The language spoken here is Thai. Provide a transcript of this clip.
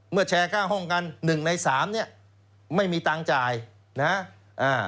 เมื่อแชร์ค่าห้องกัน๑ใน๓เนี่ยไม่มีตังจ่ายนะฮะ